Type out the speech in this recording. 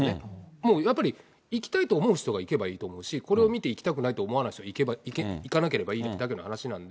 もうやっぱり、行きたいと思う人が行けばいいと思うし、これを見て行きたくないと思う人は行かなければいいだけの話なんで。